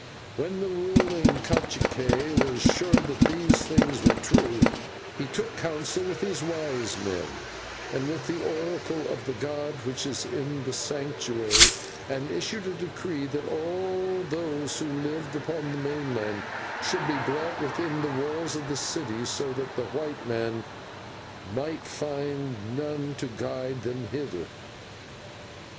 When the ruling /cacique/ was sure that these things were true, he took counsel with his wise men and with the oracle of the god which is in the Sanctuary, and issued a decree that all those who lived upon the mainland should be brought within the walls of the city, so that the white men might find none to guide them thither.